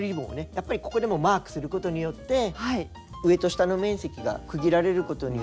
やっぱりここでもマークすることによって上と下の面積が区切られることによって。